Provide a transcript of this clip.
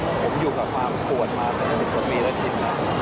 ผมอยู่กับความป่วนมา๑๐กว่ามีแล้วชิ้น